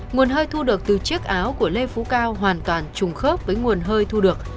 nguồn hơi thu được từ chiếc áo của lê phú cao hoàn toàn trùng khớp với nguồn hơi thu được